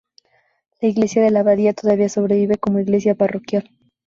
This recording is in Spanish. La iglesia de la abadía todavía sobrevive como iglesia parroquial.